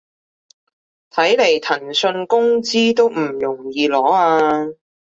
睇來騰訊工資都唔容易攞啊